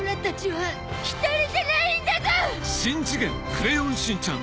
クレヨンしんちゃん』